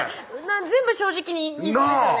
全部正直に言いそうですよね